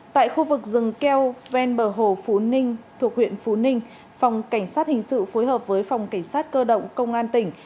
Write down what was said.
tại khu vực rừng keo ven bờ hồ phú ninh thuộc huyện phú ninh phòng cảnh sát hình sự phối hợp với phòng cảnh sát cơ động công an tỉnh